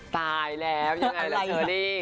ตายแล้วยังไงล่ะเชอรี่